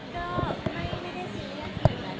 ก็ไม่ได้ซีเรียสเหมือนกัน